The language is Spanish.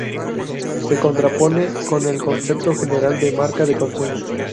Se contrapone con el concepto general de marca de consumo.